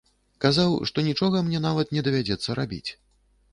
Казаў, што нічога мне нават не давядзецца рабіць.